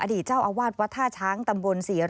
อดีตเจ้าอวาดวัทธาช้างตำบล๔๐๐